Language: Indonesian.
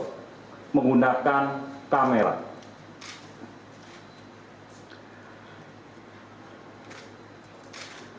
sebahagian darjahnya sebagai urusnya serba terperangki